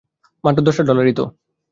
মাত্র দশটা ডলারই তো!